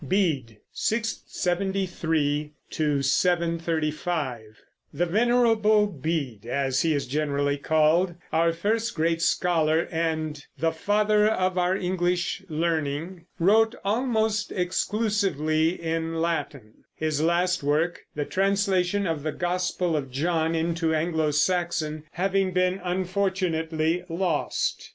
BEDE (673 735) The Venerable Bede, as he is generally called, our first great scholar and "the father of our English learning," wrote almost exclusively in Latin, his last work, the translation of the Gospel of John into Anglo Saxon, having been unfortunately lost.